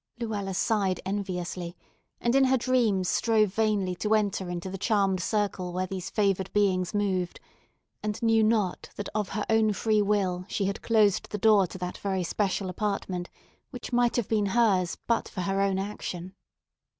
Luella sighed enviously, and in her dreams strove vainly to enter into the charmed circle where these favored beings moved, and knew not that of her own free will she had closed the door to that very special apartment, which might have been hers but for her own action.